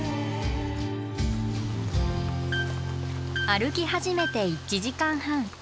歩き始めて１時間半。